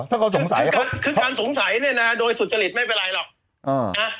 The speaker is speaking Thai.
ถ้าเขาสงสัยครับคือการสงสัยเนี่ยนะโดยสุจริตไม่เป็นไรหรอก